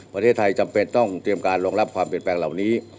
ประเทศไทยจำเป็นต้องเตรียมการรองรับความเปลี่ยนแปลงเหล่านี้